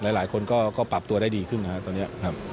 หลายคนก็ปรับตัวได้ดีขึ้นนะครับตอนนี้ครับ